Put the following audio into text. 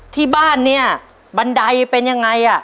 ที่บ้านเนี่ยบันไดเป็นยังไง